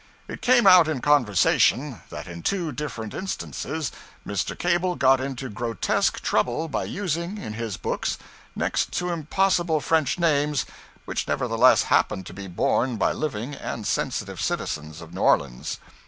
It came out in conversation, that in two different instances Mr. Cable got into grotesque trouble by using, in his books, next to impossible French names which nevertheless happened to be borne by living and sensitive citizens of New Orleans.